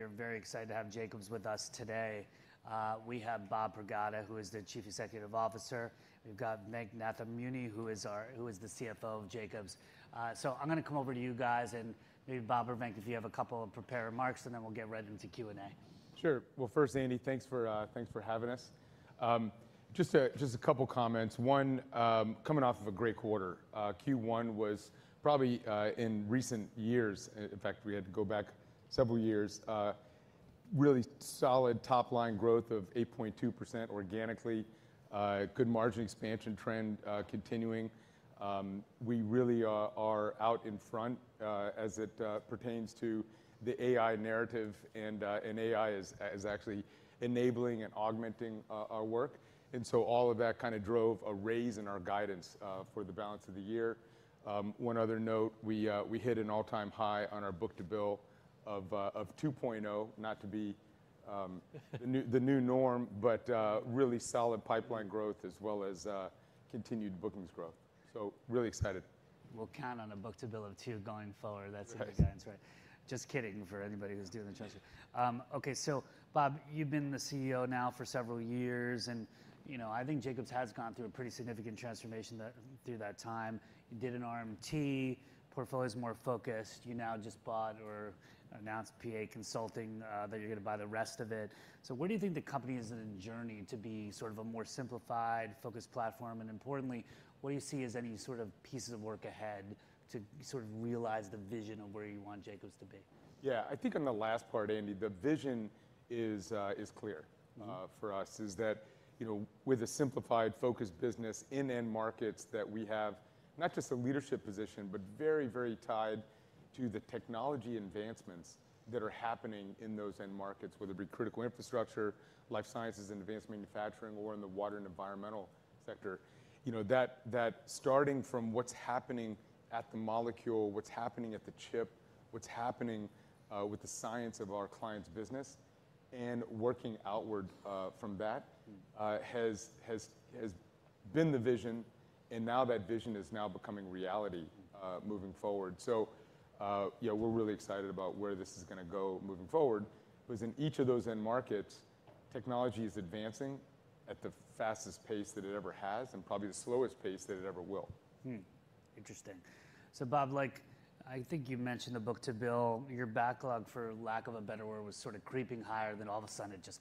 We're very excited to have Jacobs with us today. We have Bob Pragada, who is the Chief Executive Officer. We've got Venk Nathamuni, who is the CFO of Jacobs. So I'm gonna come over to you guys, and maybe Bob or Venk, if you have a couple of prepared remarks, and then we'll get right into Q&A. Sure. Well, first, Andy, thanks for, thanks for having us. Just a couple comments: One, coming off of a great quarter, Q1 was probably, in recent years, in fact, we had to go back several years, really solid top-line growth of 8.2% organically, good margin expansion trend, continuing. We really are out in front, as it pertains to the AI narrative, and, and AI is actually enabling and augmenting our work. And so all of that kind of drove a raise in our guidance, for the balance of the year. One other note, we hit an all-time high on our book-to-bill of 2.0, not to be the new norm, but really solid pipeline growth as well as, continued bookings growth. Really excited. We'll count on a book-to-bill of two going forward. That's how it sounds, right? Right. Just kidding, for anybody who's doing the transcript. Okay, so Bob, you've been the CEO now for several years, and, you know, I think Jacobs has gone through a pretty significant transformation through that time. You did an RMT, portfolio is more focused. You now just bought or announced PA Consulting, that you're gonna buy the rest of it. So what do you think the company is in a journey to be sort of a more simplified, focused platform, and importantly, what do you see as any sort of pieces of work ahead to sort of realize the vision of where you want Jacobs to be? Yeah, I think on the last part, Andy, the vision is clear- Mm-hmm... for us, is that, you know, with a simplified, focused business in end markets, that we have not just a leadership position, but very, very tied to the technology advancements that are happening in those end markets, whether it be critical infrastructure, life sciences, and advanced manufacturing, or in the water and environmental sector. You know, that starting from what's happening at the molecule, what's happening at the chip, what's happening with the science of our client's business, and working outward from that- Mm... has been the vision, and now that vision is now becoming reality, moving forward. So, yeah, we're really excited about where this is gonna go moving forward. Because in each of those end markets, technology is advancing at the fastest pace that it ever has, and probably the slowest pace that it ever will. Hmm. Interesting. So Bob, like, I think you mentioned the book-to-bill. Your backlog, for lack of a better word, was sort of creeping higher, then all of a sudden, it just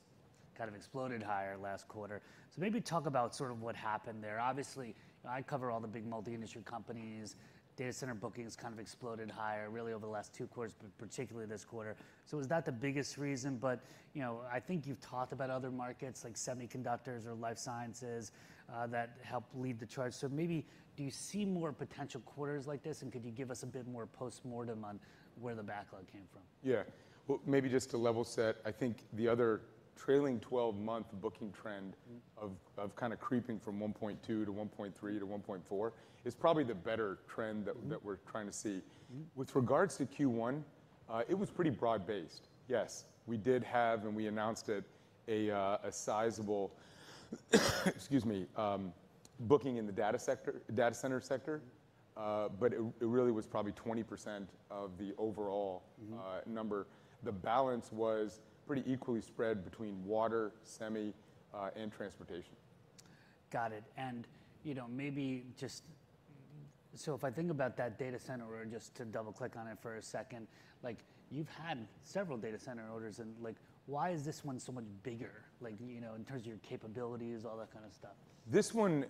kind of exploded higher last quarter. So maybe talk about sort of what happened there. Obviously, I cover all the big multi-industry companies. Data center bookings kind of exploded higher, really over the last two quarters, but particularly this quarter. So was that the biggest reason? But, you know, I think you've talked about other markets, like semiconductors or life sciences, that helped lead the charge. So maybe, do you see more potential quarters like this, and could you give us a bit more postmortem on where the backlog came from? Yeah. Well, maybe just to level set, I think the other trailing 12-month booking trend- Mm... of kind of creeping from 1.2 to 1.3 to 1.4 is probably the better trend that- Mm-hmm... that we're trying to see. Mm-hmm. With regards to Q1, it was pretty broad-based. Yes, we did have, and we announced it, a sizeable booking in the data center sector, but it really was probably 20% of the overall- Mm-hmm... number. The balance was pretty equally spread between water, semi, and transportation. Got it. You know, maybe just... So if I think about that data center, or just to double-click on it for a second, like, you've had several data center orders, and like, why is this one so much bigger? Like, you know, in terms of your capabilities, all that kind of stuff. This one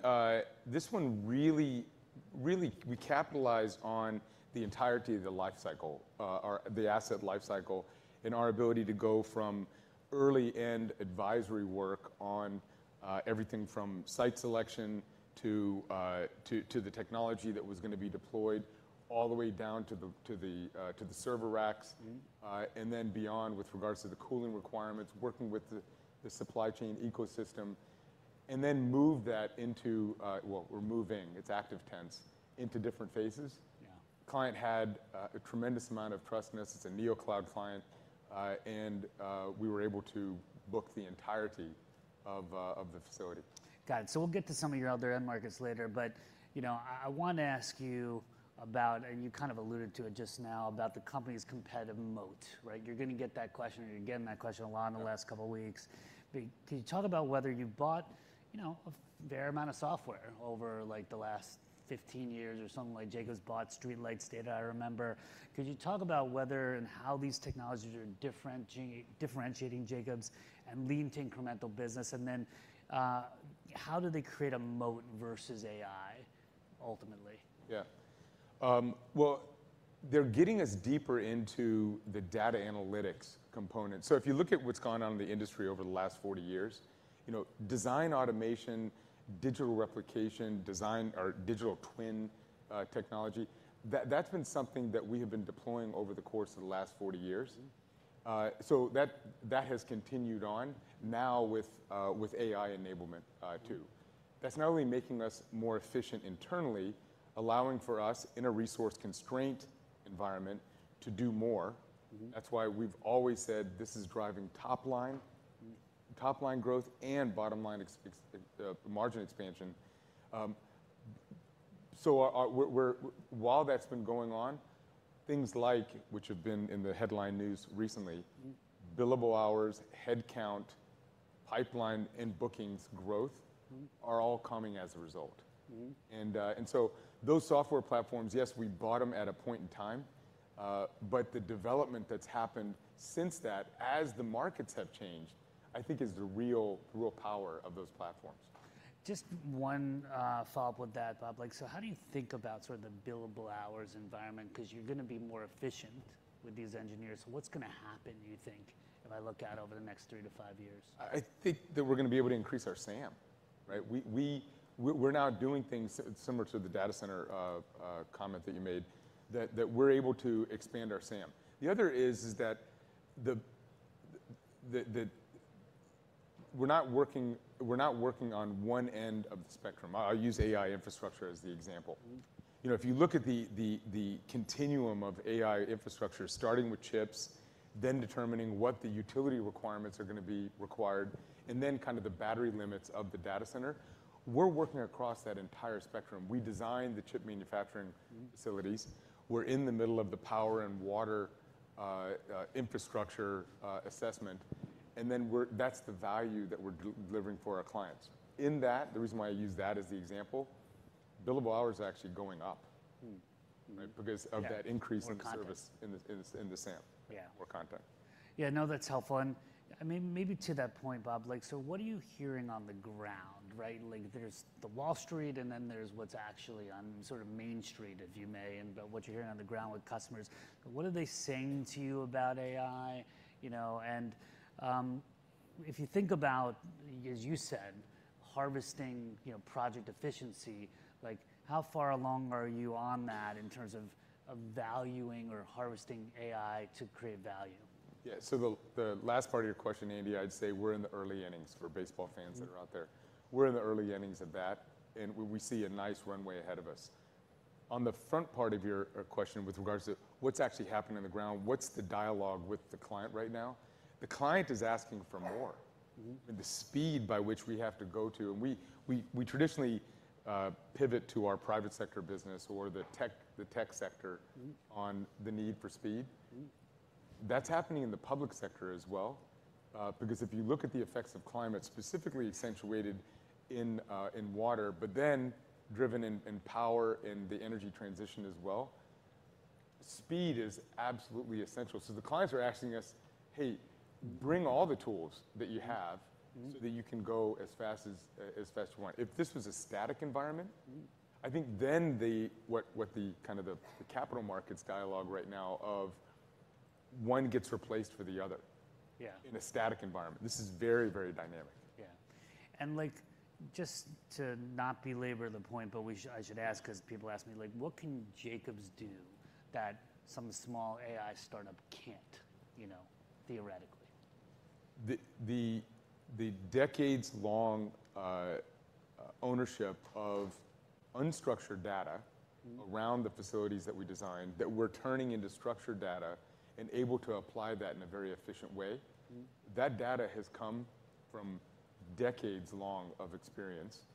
really, really, we capitalized on the entirety of the life cycle, or the asset life cycle, and our ability to go from early-end advisory work on everything from site selection to the technology that was gonna be deployed, all the way down to the server racks- Mm-hmm... and then beyond, with regards to the cooling requirements, working with the supply chain ecosystem, and then move that into... well, we're moving, it's active tense, into different phases. Yeah. Client had a tremendous amount of trust in us. It's a neo-cloud client, and we were able to book the entirety of the facility. Got it. So we'll get to some of your other end markets later. But, you know, I, I want to ask you about, and you kind of alluded to it just now, about the company's competitive moat, right? You're gonna get that question, or you're getting that question a lot- Right... in the last couple of weeks. But can you talk about whether you bought, you know, a fair amount of software over, like, the last 15 years or something, like Jacobs bought StreetLight Data, I remember. Could you talk about whether and how these technologies are differentiating Jacobs and leading to incremental business? And then, how do they create a moat versus AI, ultimately? Yeah. Well, they're getting us deeper into the data analytics component. So if you look at what's gone on in the industry over the last 40 years, you know, design automation, digital replication, design or digital twin technology, that's been something that we have been deploying over the course of the last 40 years. Mm-hmm. So that has continued on now with AI enablement too. Mm-hmm. That's not only making us more efficient internally, allowing for us, in a resource-constrained environment, to do more. Mm-hmm. That's why we've always said this is driving top line- Mm... top line growth and bottom line margin expansion. So while that's been going on, things like, which have been in the headline news recently, billable hours, headcount, pipeline, and bookings growth- Mm-hmm. - are all coming as a result. Mm-hmm. And so those software platforms, yes, we bought them at a point in time, but the development that's happened since that, as the markets have changed, I think is the real, real power of those platforms. Just one follow-up with that, Bob. Like, so how do you think about sort of the billable hours environment? 'Cause you're gonna be more efficient with these engineers, so what's gonna happen, you think, if I look out over the next 3-5 years? I think that we're gonna be able to increase our SAM, right? We're now doing things similar to the data center comment that you made, that we're able to expand our SAM. The other is that we're not working on one end of the spectrum. I'll use AI infrastructure as the example. Mm-hmm. You know, if you look at the continuum of AI infrastructure, starting with chips, then determining what the utility requirements are gonna be required, and then kind of the battery limits of the data center, we're working across that entire spectrum. We design the chip manufacturing- Mm. facilities. We're in the middle of the power and water infrastructure assessment, and then that's the value that we're delivering for our clients. In that, the reason why I use that as the example, billable hours are actually going up- Hmm. right? Because of that increase- More content... in service, in the SAM. Yeah. More content. Yeah, no, that's helpful. And maybe to that point, Bob, like, so what are you hearing on the ground, right? Like, there's the Wall Street, and then there's what's actually on sort of Main Street, if you may, and but what you're hearing on the ground with customers. What are they saying to you about AI? You know, and if you think about, as you said, harvesting, you know, project efficiency, like, how far along are you on that in terms of valuing or harvesting AI to create value? Yeah. So the last part of your question, Andy, I'd say we're in the early innings, for baseball fans that are out there. Mm. We're in the early innings of that, and we, we see a nice runway ahead of us. On the front part of your, question with regards to what's actually happening on the ground, what's the dialogue with the client right now? The client is asking for more. Mm-hmm. The speed by which we have to go to... We traditionally pivot to our private sector business or the tech sector- Mm... on the need for speed. Mm. That's happening in the public sector as well. Because if you look at the effects of climate, specifically accentuated in, in water, but then driven in, in power and the energy transition as well, speed is absolutely essential. So the clients are asking us: "Hey, bring all the tools that you have- Mm so that you can go as fast as, as fast as you want. If this was a static environment- Mm... I think then what the kind of capital markets dialogue right now of one gets replaced for the other- Yeah... in a static environment. This is very, very dynamic. Yeah. And, like, just to not belabor the point, but I should ask, because people ask me, like: What can Jacobs do that some small AI start-up can't, you know, theoretically? The decades-long ownership of unstructured data- Mm... around the facilities that we design, that we're turning into structured data and able to apply that in a very efficient way- Mm... that data has come from decades-long of experience,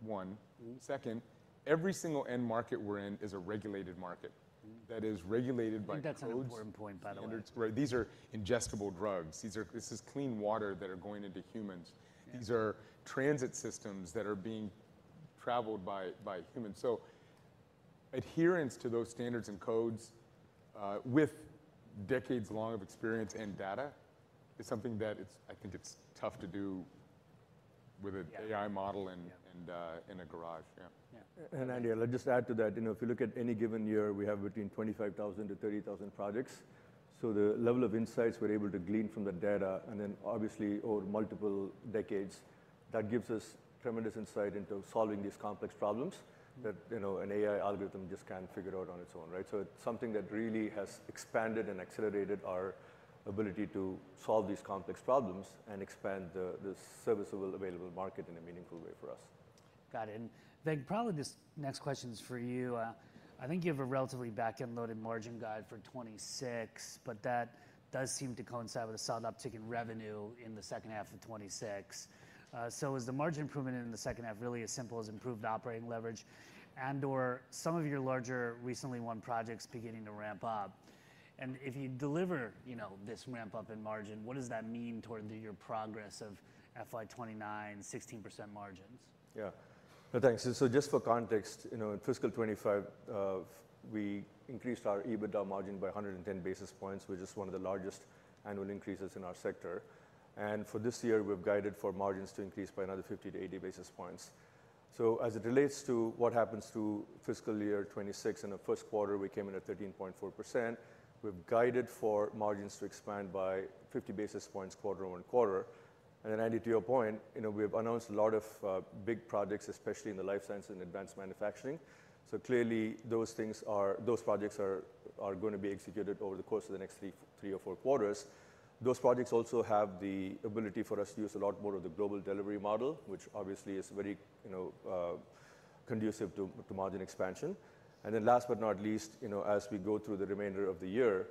one. Mm. Second, every single end market we're in is a regulated market- Mm... that is regulated by codes- I think that's an important point, by the way. Right. These are ingestible drugs. These are, this is clean water that are going into humans. Yeah. These are transit systems that are being traveled by humans. So adherence to those standards and codes, with decades-long of experience and data, is something that I think it's tough to do with a- Yeah... AI model and- Yeah... and, in a garage. Yeah. Yeah. And, Andy, I'll just add to that. You know, if you look at any given year, we have between 25,000-30,000 projects. So the level of insights we're able to glean from the data, and then obviously over multiple decades, that gives us tremendous insight into solving these complex problems. Mm... that, you know, an AI algorithm just can't figure out on its own, right? So it's something that really has expanded and accelerated our ability to solve these complex problems and expand the serviceable available market in a meaningful way for us. Got it. And, Venk, probably this next question is for you. I think you have a relatively back-end-loaded margin guide for 2026, but that does seem to coincide with a solid uptick in revenue in the second half of 2026. So is the margin improvement in the second half really as simple as improved operating leverage and/or some of your larger recently won projects beginning to ramp up? And if you deliver, you know, this ramp-up in margin, what does that mean toward the year progress of FY 2029, 16% margins? Yeah. Well, thanks. So, so just for context, you know, in fiscal 2025, we increased our EBITDA margin by 110 basis points, which is one of the largest annual increases in our sector. And for this year, we've guided for margins to increase by another 50-80 basis points. So as it relates to what happens to fiscal year 2026, in the first quarter, we came in at 13.4%. We've guided for margins to expand by 50 basis points quarter-over-quarter. And then, Andy, to your point, you know, we've announced a lot of big projects, especially in the life science and advanced manufacturing. So clearly, those things are, those projects are going to be executed over the course of the next three, three or four quarters. Those projects also have the ability for us to use a lot more of the global delivery model, which obviously is very, you know, conducive to margin expansion. And then last but not least, you know, as we go through the remainder of the year,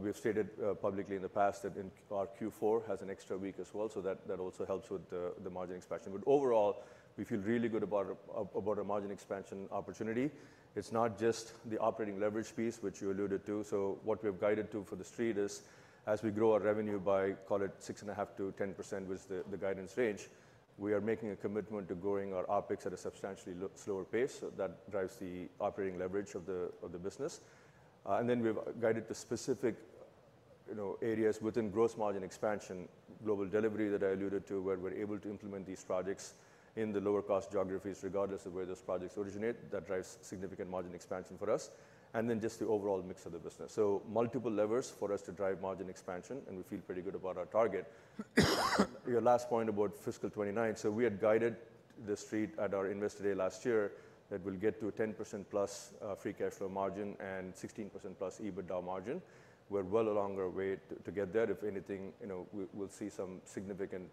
we've stated publicly in the past that our Q4 has an extra week as well, so that also helps with the margin expansion. But overall, we feel really good about our margin expansion opportunity. It's not just the operating leverage piece, which you alluded to. So what we've guided to for the street is, as we grow our revenue by, call it, 6.5%-10%, which the guidance range, we are making a commitment to growing our OpEx at a substantially slower pace, so that drives the operating leverage of the business. And then we've guided the specific, you know, areas within gross margin expansion, global delivery that I alluded to, where we're able to implement these projects in the lower-cost geographies, regardless of where those projects originate. That drives significant margin expansion for us, and then just the overall mix of the business. So multiple levers for us to drive margin expansion, and we feel pretty good about our target. Your last point about fiscal 2029, so we had guided the street at our Investor Day last year, that we'll get to a 10%+ free cash flow margin and 16%+ EBITDA margin. We're well along our way to get there. If anything, you know, we'll see some significant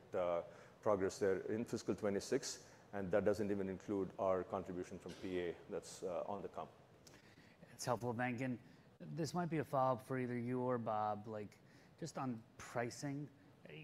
progress there in fiscal 2026, and that doesn't even include our contribution from PA. That's on the come. It's helpful, Venk. This might be a follow-up for either you or Bob, like, just on pricing.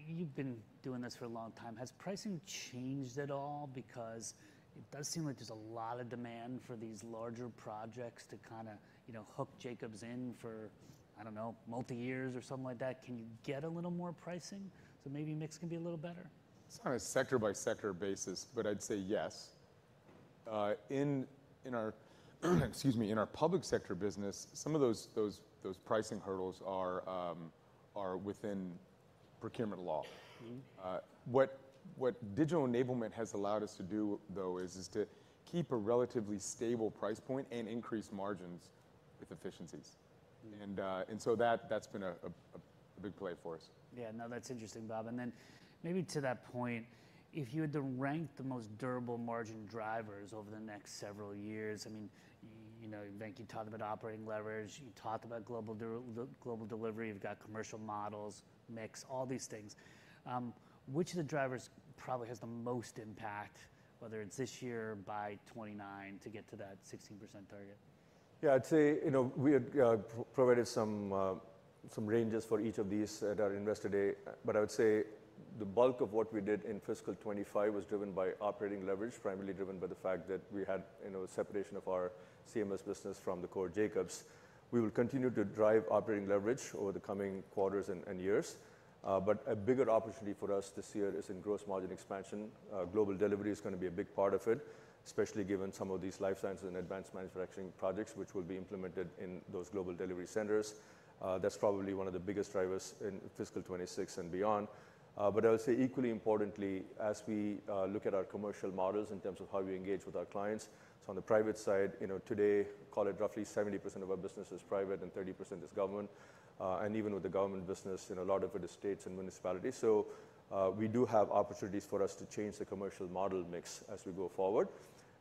You've been doing this for a long time. Has pricing changed at all? Because it does seem like there's a lot of demand for these larger projects to kinda, you know, hook Jacobs in for, I don't know, multi years or something like that. Can you get a little more pricing, so maybe mix can be a little better? It's on a sector-by-sector basis, but I'd say yes. Excuse me, in our public sector business, some of those pricing hurdles are within procurement law. Mm-hmm. What digital enablement has allowed us to do, though, is to keep a relatively stable price point and increase margins with efficiencies. Mm. And so that's been a big play for us. Yeah. No, that's interesting, Bob. And then maybe to that point, if you had to rank the most durable margin drivers over the next several years, I mean, you know, Venk, you talked about operating leverage, you talked about global delivery, you've got commercial models, mix, all these things. Which of the drivers probably has the most impact, whether it's this year or by 2029, to get to that 16% target? Yeah, I'd say, you know, we had provided some ranges for each of these at our Investor Day, but I would say the bulk of what we did in fiscal 2025 was driven by operating leverage, primarily driven by the fact that we had, you know, separation of our CMS business from the core Jacobs. We will continue to drive operating leverage over the coming quarters and years. But a bigger opportunity for us this year is in gross margin expansion. Global delivery is gonna be a big part of it, especially given some of these life sciences and advanced manufacturing projects, which will be implemented in those global delivery centers. That's probably one of the biggest drivers in fiscal 2026 and beyond. But I would say equally importantly, as we look at our commercial models in terms of how we engage with our clients, so on the private side, you know, today, call it roughly 70% of our business is private and 30% is government. And even with the government business, you know, a lot of it is states and municipalities. So, we do have opportunities for us to change the commercial model mix as we go forward.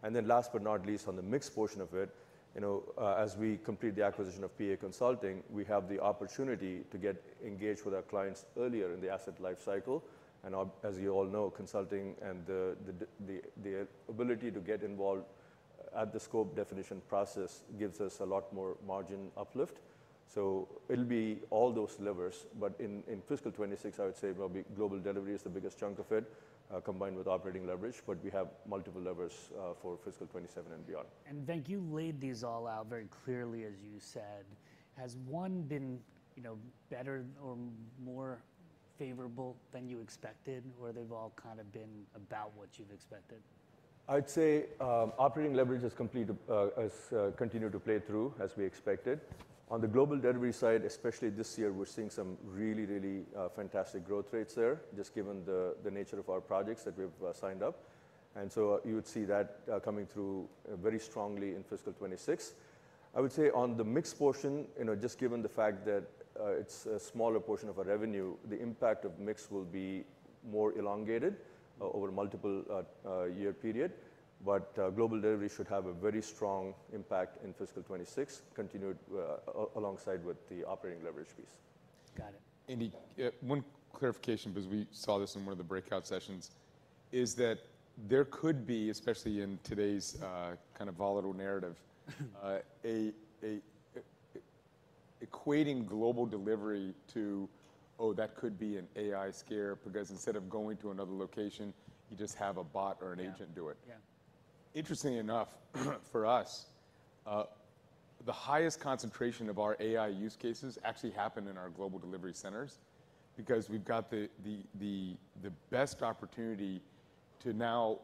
And then last but not least, on the mix portion of it, you know, as we complete the acquisition of PA Consulting, we have the opportunity to get engaged with our clients earlier in the asset life cycle. And, as you all know, consulting and the ability to get involved at the scope definition process gives us a lot more margin uplift. So it'll be all those levers, but in fiscal 2026, I would say probably global delivery is the biggest chunk of it, combined with operating leverage, but we have multiple levers for fiscal 2027 and beyond. Venk, you've laid these all out very clearly, as you said. Has one been, you know, better or more favorable than you expected, or they've all kind of been about what you've expected? I'd say, operating leverage has continued to play through as we expected. On the global delivery side, especially this year, we're seeing some really, really fantastic growth rates there, just given the nature of our projects that we've signed up. And so you would see that coming through very strongly in fiscal 2026. I would say on the mix portion, you know, just given the fact that it's a smaller portion of our revenue, the impact of mix will be more elongated over a multiple year period, but global delivery should have a very strong impact in fiscal 2026, continued alongside with the operating leverage piece. Got it. Andy, one clarification, because we saw this in one of the breakout sessions, is that there could be, especially in today's, kind of volatile narrative- Mm-hmm... equating global delivery to, "Oh, that could be an AI scare, because instead of going to another location, you just have a bot or an agent do it. Yeah. Yeah. Interestingly enough, for us, the highest concentration of our AI use cases actually happen in our global delivery centers, because we've got the best opportunity to harmonize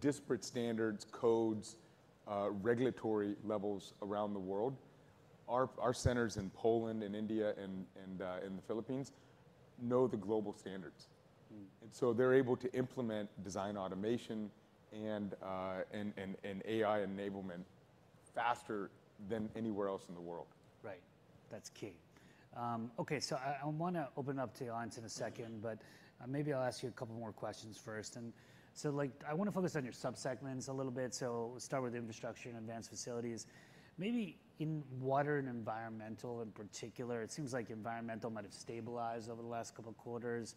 disparate standards, codes, regulatory levels around the world. Our centers in Poland and India and in the Philippines know the global standards. Mm. And so they're able to implement design automation and AI enablement faster than anywhere else in the world. Right. That's key. Okay, so I wanna open it up to the audience in a second, but maybe I'll ask you a couple more questions first. And so, like, I wanna focus on your sub-segments a little bit, so let's start with infrastructure and advanced facilities. Maybe in water and environmental, in particular, it seems like environmental might have stabilized over the last couple of quarters.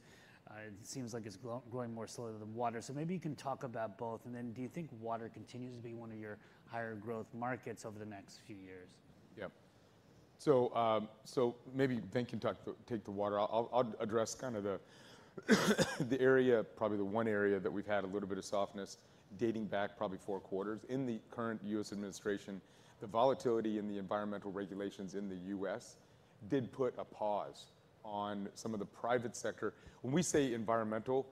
It seems like it's growing more slowly than water. So maybe you can talk about both, and then do you think water continues to be one of your higher growth markets over the next few years? Yep. So, maybe Venk can take the water. I'll address kind of the area, probably the one area that we've had a little bit of softness dating back probably four quarters. In the current U.S. administration, the volatility in the environmental regulations in the U.S. did put a pause on some of the private sector. When we say environmental,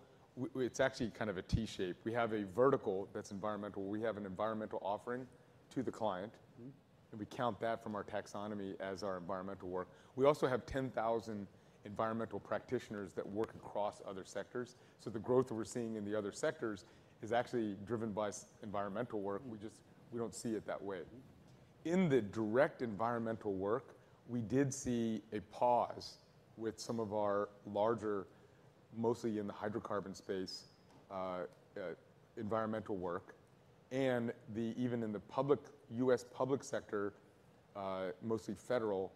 it's actually kind of a T shape. We have a vertical that's environmental. We have an environmental offering to the client- Mm-hmm. - and we count that from our taxonomy as our environmental work. We also have 10,000 environmental practitioners that work across other sectors, so the growth that we're seeing in the other sectors is actually driven by environmental work. Mm. We just, we don't see it that way. In the direct environmental work, we did see a pause with some of our larger, mostly in the hydrocarbon space, environmental work, and the... Even in the public, U.S. public sector, mostly federal,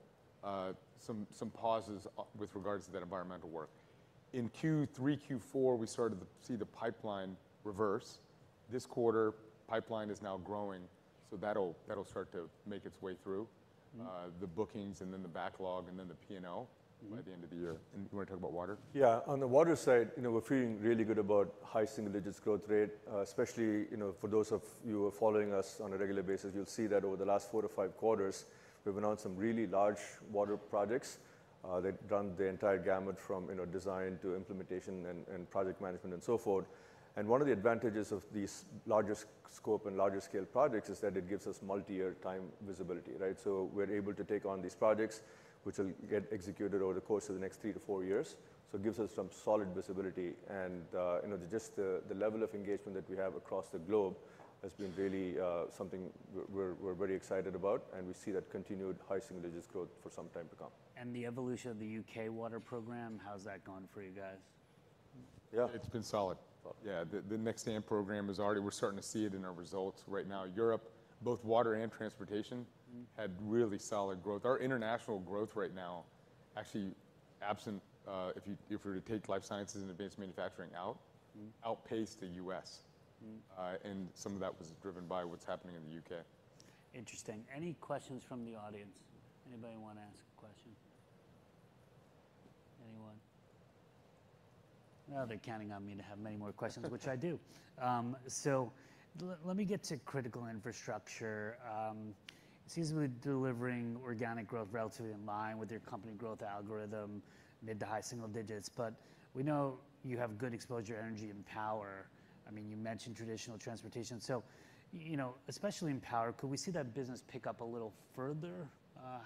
some pauses, with regards to that environmental work. In Q3, Q4, we started to see the pipeline reverse. This quarter, pipeline is now growing, so that'll, that'll start to make its way through- Mm. the bookings and then the backlog, and then the P&L. Mm-hmm... by the end of the year. You want to talk about water? Yeah. On the water side, you know, we're feeling really good about high single digits growth rate. Especially, you know, for those of you who are following us on a regular basis, you'll see that over the last 4-5 quarters, we've been on some really large water projects. They've done the entire gamut from, you know, design to implementation and, and project management and so forth. And one of the advantages of these larger scope and larger scale projects is that it gives us multi-year time visibility, right? So we're able to take on these projects, which will get executed over the course of the next 3-4 years. So it gives us some solid visibility. You know, just the level of engagement that we have across the globe has been really something we're very excited about, and we see that continued high single digits growth for some time to come. The evolution of the UK water program, how's that going for you guys? Yeah. It's been solid. Solid. Yeah. The Next AMP program is already... We're starting to see it in our results right now. Europe, both water and transportation- Mm ... had really solid growth. Our international growth right now, actually absent, if you were to take life sciences and advanced manufacturing out- Mm... outpace the U.S. Mm. And some of that was driven by what's happening in the U.K. Interesting. Any questions from the audience? Anybody want to ask a question? Anyone? Well, they're counting on me to have many more questions, which I do. So let me get to critical infrastructure. It seems we're delivering organic growth relatively in line with your company growth algorithm, mid to high single digits, but we know you have good exposure, energy and power. I mean, you mentioned traditional transportation. So, you know, especially in power, could we see that business pick up a little further?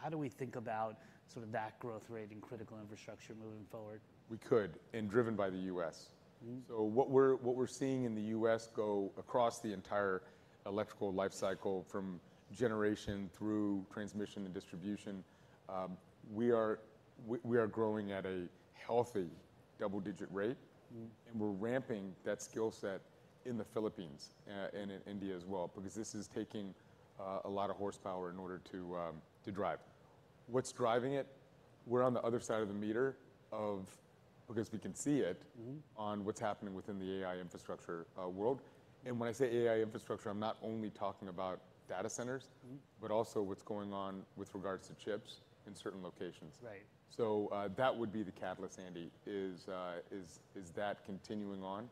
How do we think about sort of that growth rate in critical infrastructure moving forward? We could, and driven by the U.S. Mm. So what we're seeing in the U.S. growth across the entire electrical life cycle, from generation through transmission and distribution, we are growing at a healthy double-digit rate. Mm. We're ramping that skill set in the Philippines and in India as well, because this is taking a lot of horsepower in order to drive. What's driving it? We're on the other side of the meter of... because we can see it- Mm... on what's happening within the AI infrastructure, world. And when I say AI infrastructure, I'm not only talking about data centers- Mm... but also what's going on with regards to chips in certain locations. Right. So, that would be the catalyst, Andy. Is that continuing on?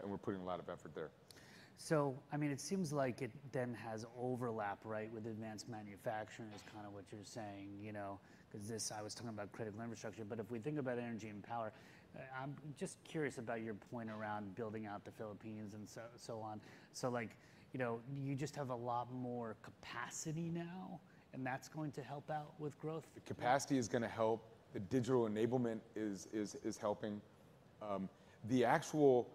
And we're putting a lot of effort there. So, I mean, it seems like it then has overlap, right, with advanced manufacturing, is kind of what you're saying, you know, because this, I was talking about critical infrastructure. But if we think about energy and power, I'm just curious about your point around building out the Philippines and so on. So, like, you know, you just have a lot more capacity now, and that's going to help out with growth? The capacity is gonna help. The digital enablement is helping. The actual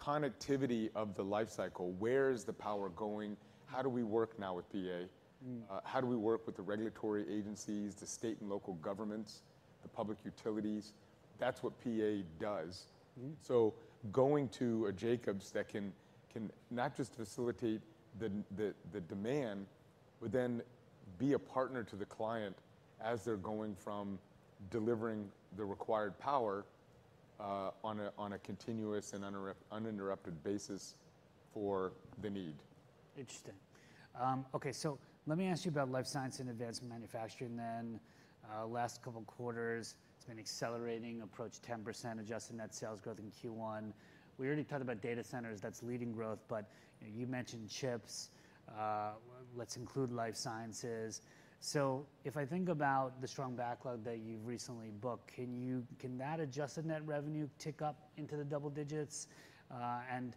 connectivity of the life cycle, where is the power going? How do we work now with PA? Mm. How do we work with the regulatory agencies, the state and local governments, the public utilities? That's what PA does. Mm. Going to a Jacobs that can not just facilitate the demand, but then be a partner to the client as they're going from delivering the required power on a continuous and uninterrupted basis for the need. Interesting. Okay, so let me ask you about life science and advanced manufacturing then. Last couple quarters, it's been accelerating, approached 10% adjusted net sales growth in Q1. We already talked about data centers, that's leading growth, but, you know, you mentioned chips. Let's include life sciences. So if I think about the strong backlog that you've recently booked, can that adjusted net revenue tick up into the double digits? And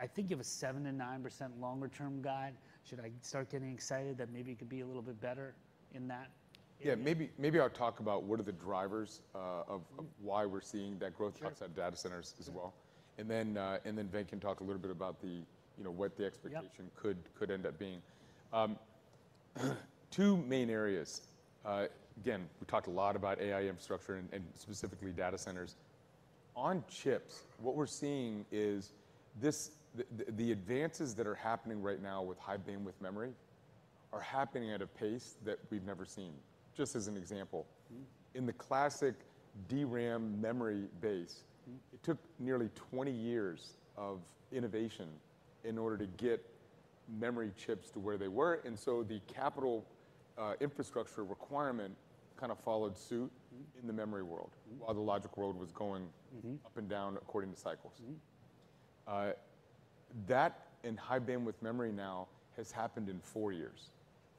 I think you have a 7%-9% longer term guide. Should I start getting excited that maybe it could be a little bit better in that? Yeah, maybe, maybe I'll talk about what are the drivers of - Mm... of why we're seeing that growth- Sure... outside data centers as well. Yeah. And then Venk can talk a little bit about the, you know, what the expectation- Yep ...could end up being. Two main areas. Again, we talked a lot about AI infrastructure and specifically data centers. On chips, what we're seeing is this, the advances that are happening right now with high bandwidth memory are happening at a pace that we've never seen. Just as an example- Mm... in the classic DRAM memory base, it took nearly 20 years of innovation in order to get memory chips to where they were. And so the capital infrastructure requirement kind of followed suit- Mm-hmm. In the memory world. Mm-hmm. While the logic world was going- Mm-hmm... up and down according to cycles. Mm-hmm. That, and high bandwidth memory now has happened in four years.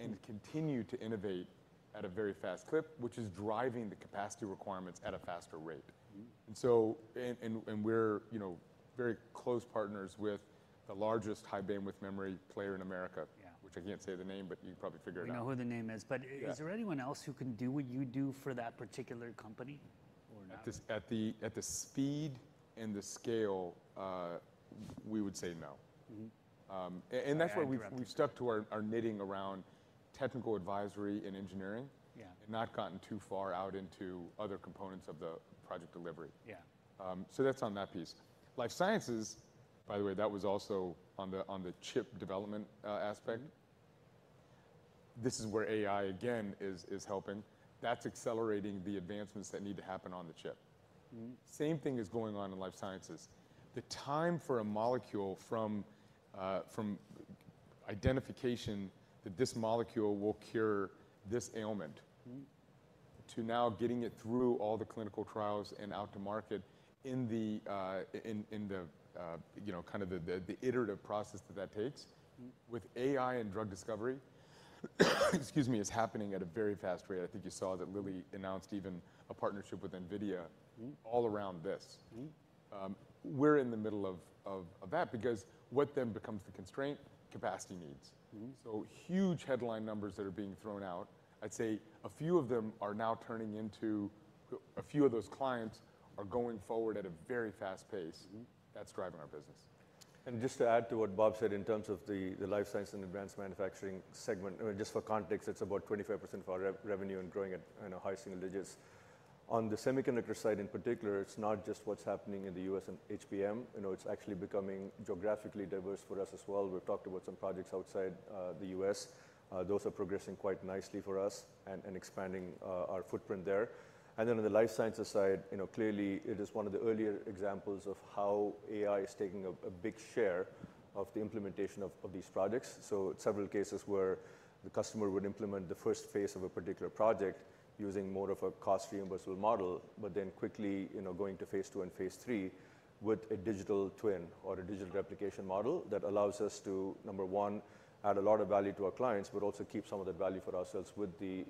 Mm-hmm. Continue to innovate at a very fast clip, which is driving the capacity requirements at a faster rate. Mm-hmm. And so, we're, you know, very close partners with the largest high bandwidth memory player in America. Yeah. Which I can't say the name, but you can probably figure it out. We know who the name is. Yeah. But is there anyone else who can do what you do for that particular company or not? At the speed and the scale, we would say no. Mm-hmm. And that's why- Sorry, I interrupted you.... we've stuck to our knitting around technical advisory and engineering- Yeah... and not gotten too far out into other components of the project delivery. Yeah. So that's on that piece. Life sciences, by the way, that was also on the chip development aspect. This is where AI, again, is helping. That's accelerating the advancements that need to happen on the chip. Mm-hmm. Same thing is going on in life sciences. The time for a molecule from identification, that this molecule will cure this ailment- Mm-hmm ... to now getting it through all the clinical trials and out to market in the, you know, kind of the iterative process that that takes. Mm-hmm. With AI and drug discovery, excuse me, is happening at a very fast rate. I think you saw that Lilly announced even a partnership with NVIDIA- Mm-hmm... all around this. Mm-hmm. We're in the middle of that, because what then becomes the constraint? Capacity needs. Mm-hmm. So, huge headline numbers that are being thrown out. I'd say a few of them are now turning into a few of those clients are going forward at a very fast pace. Mm-hmm. That's driving our business. Just to add to what Bob said in terms of the life sciences and advanced manufacturing segment, I mean, just for context, it's about 25% of our revenue and growing at in a high single digits. On the semiconductor side in particular, it's not just what's happening in the U.S. and HBM, you know, it's actually becoming geographically diverse for us as well. We've talked about some projects outside the U.S. Those are progressing quite nicely for us and expanding our footprint there. And then on the life sciences side, you know, clearly, it is one of the earlier examples of how AI is taking a big share of the implementation of these projects. Several cases where the customer would implement the first phase of a particular project using more of a cost reimbursement model, but then quickly, you know, going to phase 2 and phase 3 with a digital twin or a digital replication model, that allows us to, number one, add a lot of value to our clients, but also keep some of the value for ourselves with the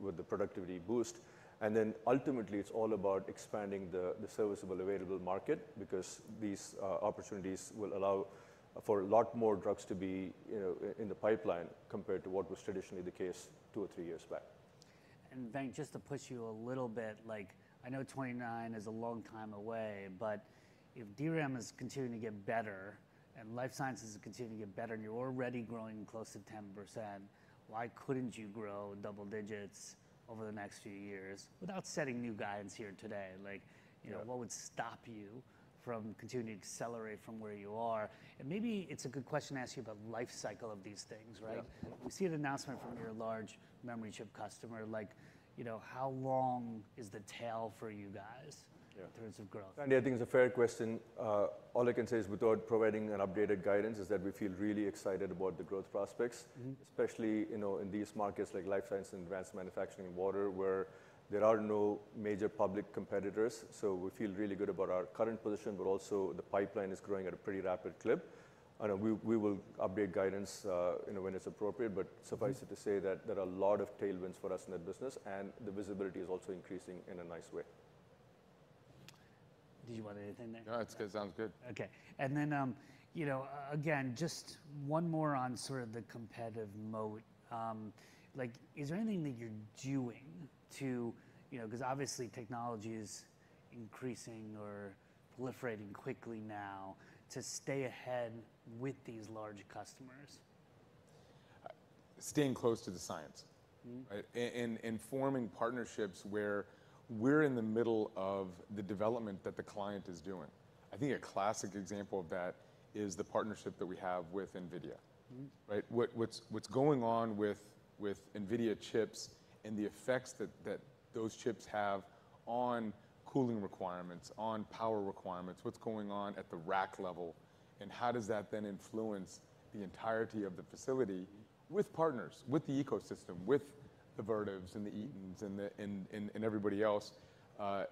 with the productivity boost. Then ultimately, it's all about expanding the serviceable available market, because these opportunities will allow for a lot more drugs to be, you know, in the pipeline, compared to what was traditionally the case two or three years back. Venk, just to push you a little bit, like, I know 29 is a long time away, but if DRAM is continuing to get better and life sciences is continuing to get better, and you're already growing close to 10%, why couldn't you grow double digits over the next few years without setting new guidance here today? Like- Yeah... you know, what would stop you from continuing to accelerate from where you are? Maybe it's a good question to ask you about lifecycle of these things, right? Yeah. We see an announcement from your large memory chip customer, like, you know, how long is the tail for you guys? Yeah... in terms of growth? I think it's a fair question. All I can say is without providing an updated guidance, is that we feel really excited about the growth prospects. Mm-hmm. Especially, you know, in these markets like life science and advanced manufacturing and water, where there are no major public competitors. So we feel really good about our current position, but also the pipeline is growing at a pretty rapid clip. And we will update guidance, you know, when it's appropriate, but- Mm-hmm... suffice it to say that there are a lot of tailwinds for us in that business, and the visibility is also increasing in a nice way. Did you want to add anything there? No, it's good. Sounds good. Okay. And then, you know, again, just one more on sort of the competitive mode. Like, is there anything that you're doing to... You know, because obviously technology is increasing or proliferating quickly now, to stay ahead with these large customers? Staying close to the science. Mm-hmm. Right? And forming partnerships where we're in the middle of the development that the client is doing. I think a classic example of that is the partnership that we have with NVIDIA. Mm-hmm. Right? What's going on with NVIDIA chips and the effects that those chips have on cooling requirements, on power requirements, what's going on at the rack level, and how does that then influence the entirety of the facility, with partners, with the ecosystem, with the Vertivs and the Eatons and everybody else? I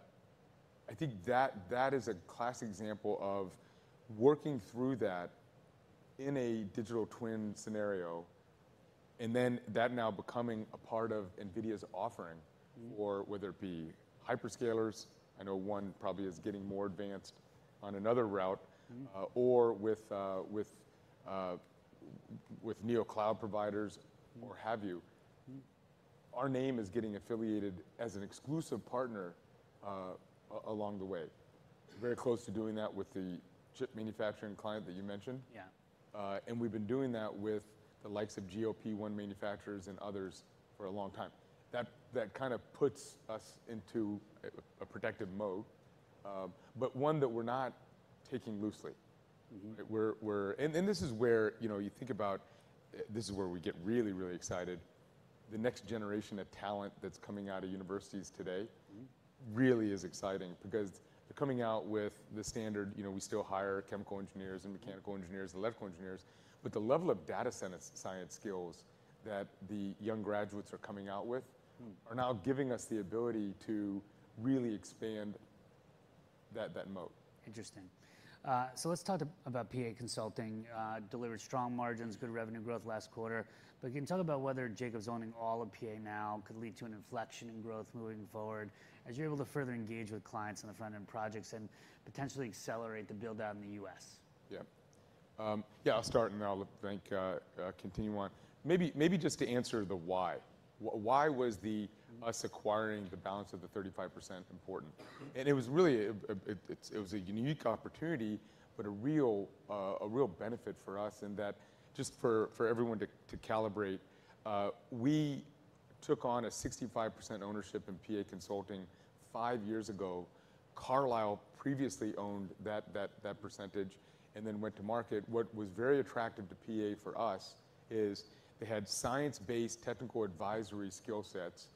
think that is a classic example of working through that in a digital twin scenario, and then that now becoming a part of NVIDIA's offering. Mm-hmm. Or whether it be hyperscalers, I know one probably is getting more advanced on another route- Mm-hmm... or with neo-cloud providers or have you? Mm-hmm. Our name is getting affiliated as an exclusive partner, along the way. Mm-hmm. Very close to doing that with the chip manufacturing client that you mentioned. Yeah. And we've been doing that with the likes of Tier 1 manufacturers and others for a long time. That kind of puts us into a protective mode, but one that we're not taking loosely. Mm-hmm, we're— And this is where, you know, you think about this is where we get really, really excited. The next generation of talent that's coming out of universities today- Mm-hmm... really is exciting because they're coming out with the standard... You know, we still hire chemical engineers and mechanical engineers, electrical engineers, but the level of data science, science skills that the young graduates are coming out with- Mm... are now giving us the ability to really expand that, that moat. Interesting. So let's talk about PA Consulting. Delivered strong margins, good revenue growth last quarter. But can you talk about whether Jacobs owning all of PA now could lead to an inflection in growth moving forward, as you're able to further engage with clients on the front-end projects and potentially accelerate the build-out in the U.S.? Yeah. Yeah, I'll start, and then I'll let Venk continue on. Maybe just to answer the why. Why was us acquiring the balance of the 35% important? And it was really, it was a unique opportunity, but a real benefit for us, in that, just for everyone to calibrate, we took on a 65% ownership in PA Consulting five years ago. Carlyle previously owned that percentage and then went to market. What was very attractive to PA for us is they had science-based technical advisory skill sets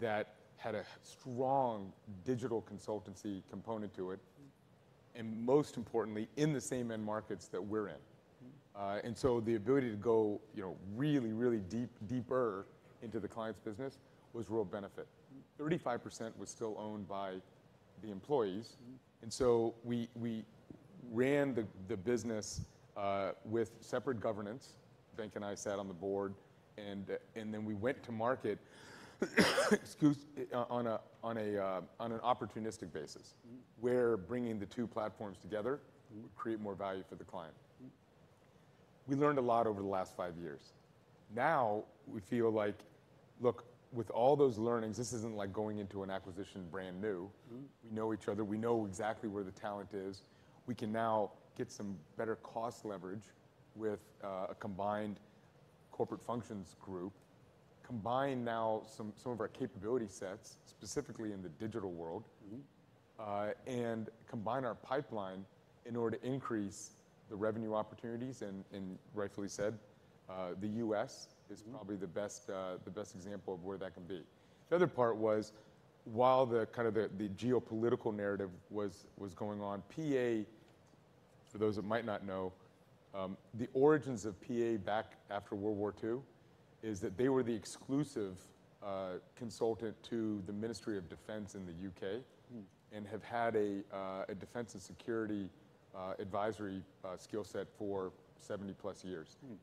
that had a strong digital consultancy component to it, and most importantly, in the same end markets that we're in. Mm. And so the ability to go, you know, really, really deep, deeper into the client's business was a real benefit. 35% was still owned by the employees- Mm... and so we ran the business with separate governance. Venk and I sat on the board, and then we went to market on an opportunistic basis- Mm... where bringing the two platforms together- Mm... would create more value for the client. Mm. We learned a lot over the last five years. Now, we feel like... Look, with all those learnings, this isn't like going into an acquisition brand new. Mm. We know each other. We know exactly where the talent is. We can now get some better cost leverage with a combined corporate functions group, combine now some of our capability sets, specifically in the digital world- Mm... and combine our pipeline in order to increase the revenue opportunities. And rightfully said, the U.S.- Mm... is probably the best, the best example of where that can be. The other part was, while the kind of the, the geopolitical narrative was, was going on, PA, for those that might not know, the origins of PA back after World War II, is that they were the exclusive, consultant to the Ministry of Defence in the U.K.- Mm... and have had a defense and security advisory skill set for 70+ years. Mm.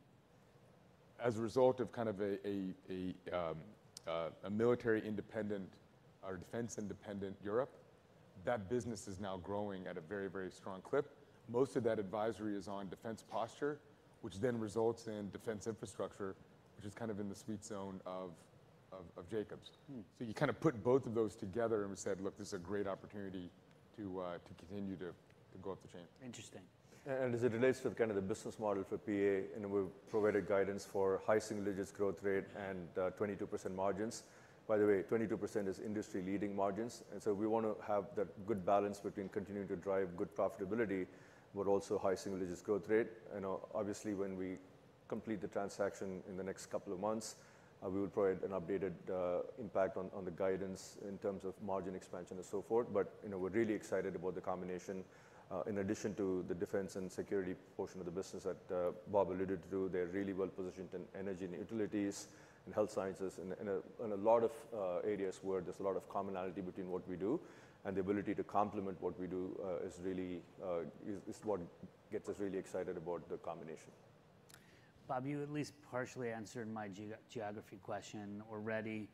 As a result of kind of a military independent or defense independent Europe, that business is now growing at a very, very strong clip. Most of that advisory is on defense posture, which then results in defense infrastructure, which is kind of in the sweet zone of Jacobs. Mm. So you kind of put both of those together and we said: Look, this is a great opportunity to continue to go up the chain. Interesting. As it relates to kind of the business model for PA, and we've provided guidance for high single-digit growth rate and 22% margins. By the way, 22% is industry-leading margins, and so we want to have that good balance between continuing to drive good profitability, but also high single-digit growth rate. You know, obviously, when we complete the transaction in the next couple of months, we will provide an updated impact on the guidance in terms of margin expansion and so forth. But, you know, we're really excited about the combination. In addition to the defense and security portion of the business that Bob alluded to, they're really well-positioned in energy and utilities and health sciences, and a lot of areas where there's a lot of commonality between what we do. And the ability to complement what we do is really what gets us really excited about the combination. Bob, you at least partially answered my geography question already,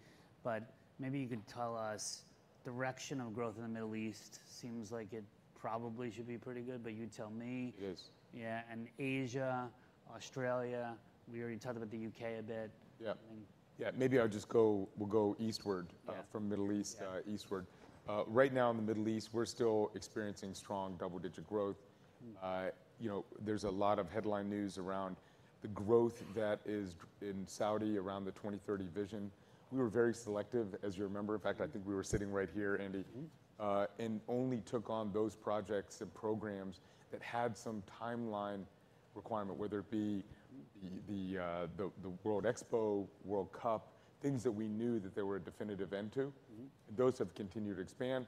but maybe you could tell us the direction of growth in the Middle East. Seems like it probably should be pretty good, but you tell me. It is. Yeah, and Asia, Australia, we already talked about the U.K. a bit. Yeah. And- Yeah, maybe I'll just go, we'll go eastward- Yeah... from Middle East, eastward. Yeah. Right now in the Middle East, we're still experiencing strong double-digit growth. Mm. You know, there's a lot of headline news around the growth in Saudi, around the 2030 vision. We were very selective, as you remember. In fact, I think we were sitting right here, Andy. Mm-hmm... and only took on those projects and programs that had some timeline requirement, whether it be the World Expo, World Cup, things that we knew that there were a definitive end to. Mm-hmm. Those have continued to expand.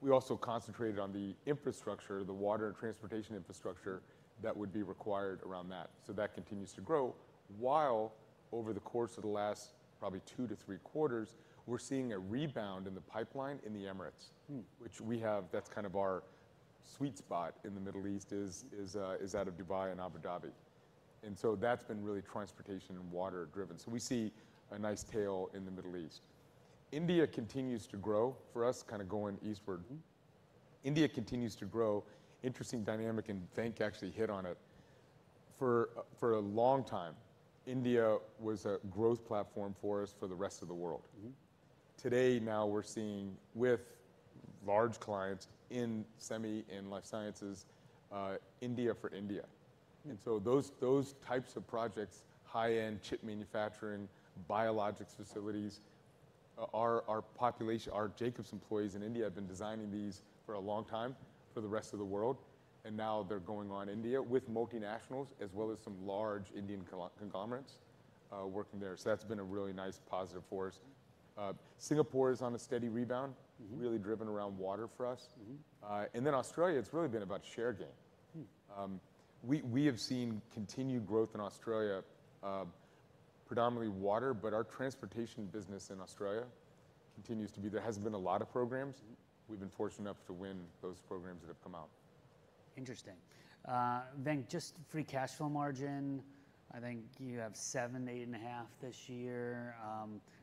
We also concentrated on the infrastructure, the water and transportation infrastructure, that would be required around that. So that continues to grow, while over the course of the last probably 2-3 quarters, we're seeing a rebound in the pipeline in the Emirates. Mm... which we have, that's kind of our sweet spot in the Middle East, is out of Dubai and Abu Dhabi. And so that's been really transportation and water-driven. So we see a nice tail in the Middle East. India continues to grow for us, kind of going eastward. Mm. India continues to grow. Interesting dynamic, and Venk actually hit on it: for a long time, India was a growth platform for us, for the rest of the world. Mm-hmm. Today, now we're seeing with large clients in semi and life sciences, India for India. And so those, those types of projects, high-end chip manufacturing, biologics facilities, our, our population, our Jacobs employees in India have been designing these for a long time for the rest of the world, and now they're going on India with multinationals, as well as some large Indian conglomerates working there. So that's been a really nice positive for us. Singapore is on a steady rebound. Mm-hmm. Really driven around water for us. Mm-hmm. Australia, it's really been about share gain. Hmm. We have seen continued growth in Australia, predominantly water, but our transportation business in Australia continues to be... There hasn't been a lot of programs. Mm. We've been fortunate enough to win those programs that have come out. Interesting. Then just free cash flow margin, I think you have 7%-8.5% this year,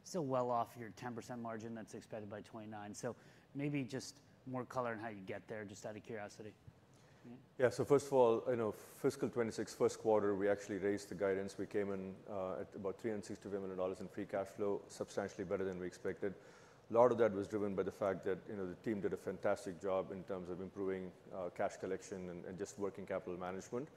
still well off your 10% margin that's expected by 2029. So maybe just more color on how you get there, just out of curiosity. Mm-hmm. Yeah. So first of all, you know, fiscal 2026, first quarter, we actually raised the guidance. We came in at about $360 million in free cash flow, substantially better than we expected. A lot of that was driven by the fact that, you know, the team did a fantastic job in terms of improving cash collection and just working capital management.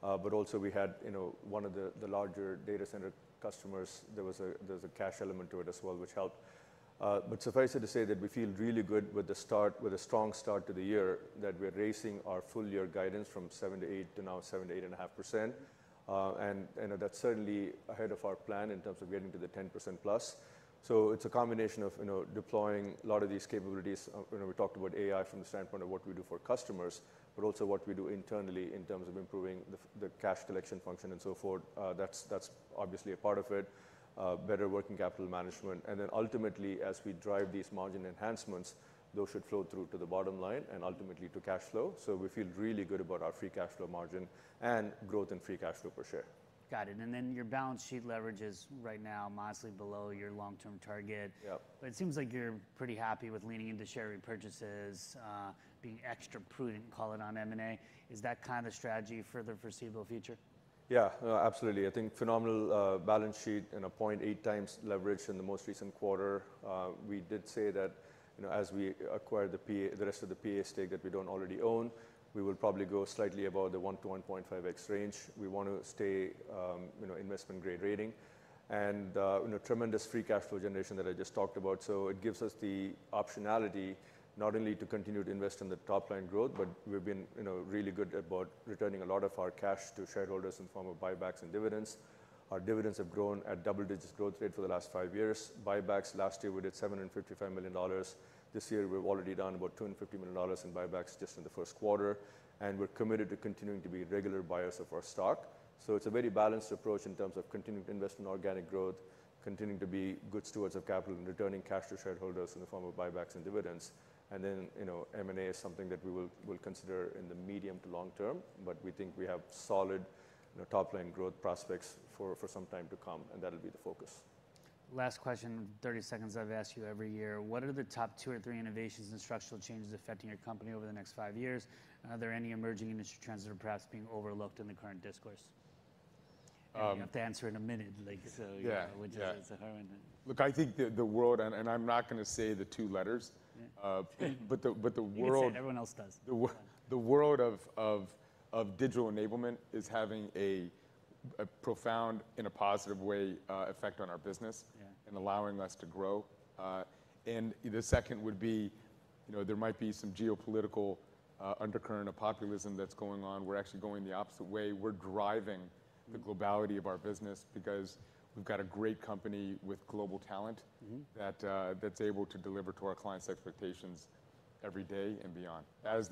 But also we had, you know, one of the larger data center customers; there was a cash element to it as well, which helped. But suffice it to say that we feel really good with the start- with a strong start to the year, that we're raising our full year guidance from 7%-8% to now 7%-8.5%. And, you know, that's certainly ahead of our plan in terms of getting to the 10%+. So it's a combination of, you know, deploying a lot of these capabilities. You know, we talked about AI from the standpoint of what we do for customers, but also what we do internally in terms of improving the cash collection function and so forth. That's, that's obviously a part of it. Better working capital management, and then ultimately, as we drive these margin enhancements, those should flow through to the bottom line and ultimately to cash flow. So we feel really good about our free cash flow margin and growth in free cash flow per share. Got it. And then your balance sheet leverage is right now modestly below your long-term target. Yep. But it seems like you're pretty happy with leaning into share repurchases, being extra prudent, call it, on M&A. Is that kind of strategy for the foreseeable future? Yeah, absolutely. I think phenomenal balance sheet and a 0.8x leverage in the most recent quarter. We did say that, you know, as we acquire the rest of the PA stake that we don't already own, we will probably go slightly above the 1-1.5x range. We want to stay, you know, investment-grade rating and, you know, tremendous free cash flow generation that I just talked about. So it gives us the optionality not only to continue to invest in the top line growth, but we've been, you know, really good about returning a lot of our cash to shareholders in form of buybacks and dividends. Our dividends have grown at double-digit growth rate for the last five years. Buybacks last year, we did $755 million. This year, we've already done about $250 million in buybacks just in the first quarter, and we're committed to continuing to be regular buyers of our stock. So it's a very balanced approach in terms of continued investment in organic growth, continuing to be good stewards of capital, and returning cash to shareholders in the form of buybacks and dividends. And then, you know, M&A is something that we will, will consider in the medium to long term, but we think we have solid, you know, top-line growth prospects for, for some time to come, and that'll be the focus. Last question, 30 seconds. I've asked you every year: What are the top two or three innovations and structural changes affecting your company over the next five years? Are there any emerging industry trends that are perhaps being overlooked in the current discourse? Um- You have to answer in a minute, like, so- Yeah. Which is, how... Look, I think the world, and I'm not gonna say the two letters- Yeah... but the world- You can say it. Everyone else does. The world of digital enablement is having a profound, in a positive way, effect on our business- Yeah... and allowing us to grow. The second would be, you know, there might be some geopolitical undercurrent of populism that's going on. We're actually going the opposite way. We're driving the globality of our business because we've got a great company with global talent- Mm-hmm... that, that's able to deliver to our clients' expectations every day and beyond, as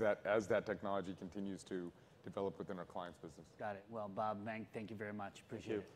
that technology continues to develop within our clients' business. Got it. Well, Bob, Venk, thank you very much. Appreciate it.